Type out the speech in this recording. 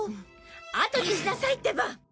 あとにしなさいってば！